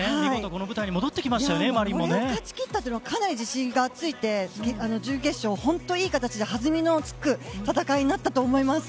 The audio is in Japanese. これを勝ち切ったのはかなり自信をつけて準決勝、本当にいい形で弾みのつく戦いになったと思います。